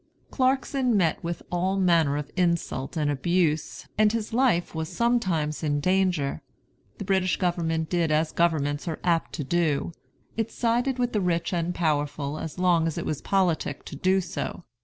Clarkson met with all manner of insult and abuse, and his life was sometimes in danger. The British government did as governments are apt to do, it sided with the rich and powerful as long as it was politic to do so.